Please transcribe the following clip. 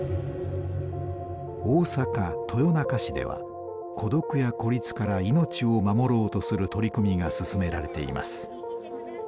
大阪・豊中市では孤独や孤立から命を守ろうとする取り組みが進められています。